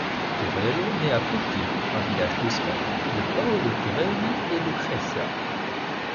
Torello naît à Poppi, un village toscan, de Paolo Torelli et Lucrezia.